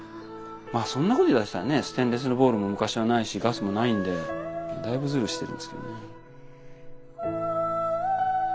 まあそんなこと言いだしたらねステンレスのボウルも昔は無いしガスも無いんでだいぶズルしてるんですけどね。